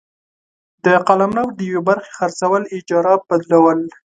د قلمرو د یوې برخي خرڅول ، اجاره ، بدلول،